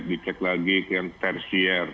di check lagi ke yang tertiar